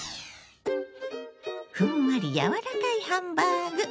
ふんわり柔らかいハンバーグ。